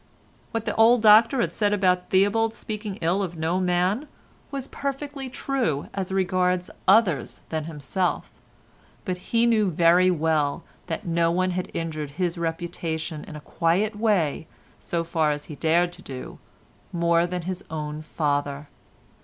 What the old doctor had said about Theobald's speaking ill of no man was perfectly true as regards others than himself, but he knew very well that no one had injured his reputation in a quiet way, so far as he dared to do, more than his own father.